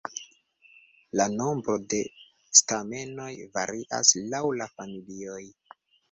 La nombro de stamenoj varias laŭ la familioj.